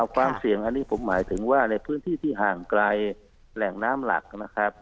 ความเสี่ยงอันนี้ผมหมายถึงว่าในพื้นที่ที่ห่างไกลแหล่งน้ำหลักนะครับ